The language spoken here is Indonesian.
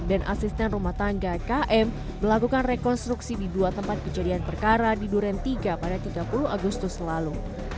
dan asisten rumah tangga km melakukan rekonstruksi di dua tempat kejadian perkara di duren tiga pada tiga puluh agustus lalu